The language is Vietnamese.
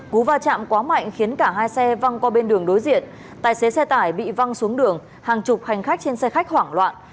cú va chạm quá mạnh khiến cả hai xe văng qua bên đường đối diện tài xế xe tải bị văng xuống đường hàng chục hành khách trên xe khách hoảng loạn